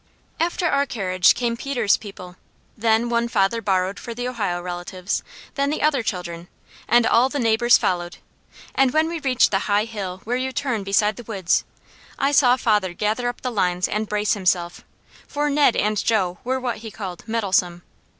After our carriage came Peter's people, then one father borrowed for the Ohio relatives, then the other children, and all the neighbours followed, and when we reached the high hill where you turn beside the woods, I saw father gather up the lines and brace himself, for Ned and Jo were what he called "mettlesome."